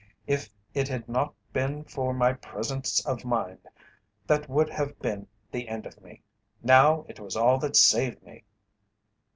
"If it had not been for my presence of mind, that would have been the end of me. Now it was all that saved me.